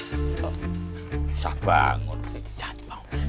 susah bangun penjahat bangun